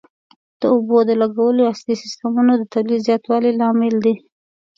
د اوبو د لګولو عصري سیستمونه د تولید زیاتوالي لامل دي.